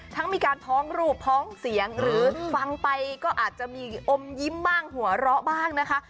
มีการท้องรูปพ้องเสียงหรือฟังไปก็อาจจะมีอมยิ้มบ้างหัวเราะบ้างนะคะ